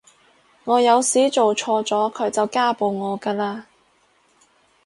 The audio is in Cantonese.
我有時做錯咗佢就家暴我㗎喇